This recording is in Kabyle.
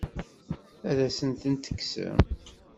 Ad asen-tent-tekksem?